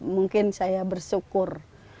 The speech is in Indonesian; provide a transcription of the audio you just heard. mungkin saya bersyukur